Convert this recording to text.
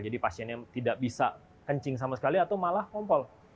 jadi pasiennya tidak bisa kencing sama sekali atau malah kompol